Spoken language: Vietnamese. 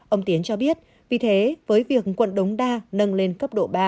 ông tiến cho biết vì thế với việc quận đống đa nâng lên cấp độ ba